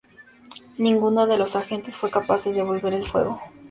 Ninguno de los agentes fue capaz de devolver el fuego.